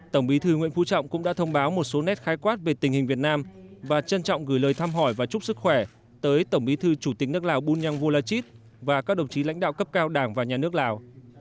tổng bí thư nguyễn phú trọng cũng đã thông báo một số nét khai quát về tình hình việt nam và trân trọng gửi lời thăm hỏi và chúc sức khỏe tới tổng bí thư chủ tịch nước lào bùn nhân vô la chít và các đồng chí lãnh đạo cấp cao đảng và nhà nước lào